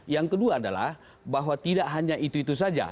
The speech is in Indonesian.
yang kedua adalah bahwa tidak hanya itu itu saja